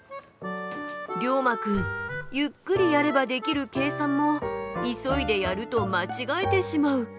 りょうまくんゆっくりやればできる計算も急いでやると間違えてしまう。